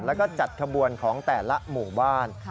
แล้วก็จัดขบวนของแต่ละหมู่บ้าน